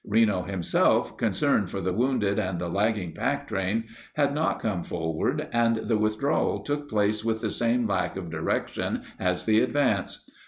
Reno himself, concerned for the wounded and the lagging pack train, had not come forward, and the withdrawal took place with the same lack of direction as the advance.